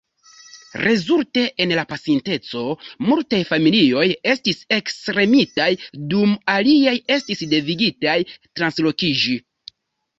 Rezulte, en la pasinteco, multaj familioj estis ekstermitaj, dum aliaj estis devigitaj translokiĝi.